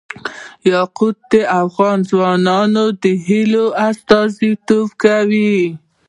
یاقوت د افغان ځوانانو د هیلو استازیتوب کوي.